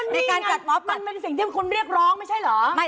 มั่นมันเป็นสิ่งที่เป็นคนเรียกร้องไม่ใช่เหรอ